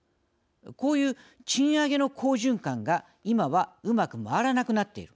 こういう賃上げの好循環が今は、うまく回らなくなっている。